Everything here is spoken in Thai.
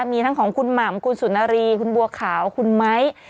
มีทั้งของคุณหม่ำคุณสุนารีคุณบัวขาวคุณไม้